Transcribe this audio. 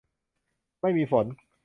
ไม่มีฝน